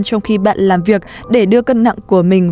trong khi bạn làm việc để đưa cân nặng của mình